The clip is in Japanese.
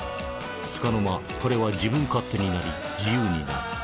つかの間彼は自分勝手になり自由になる。